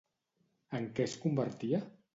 En què es convertia?